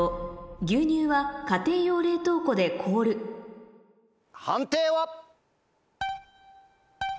「牛乳は家庭用冷凍庫で凍る」判定は。